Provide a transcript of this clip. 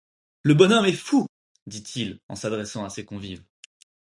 Le bonhomme est fou! dit-il en s’adressant à ses convives.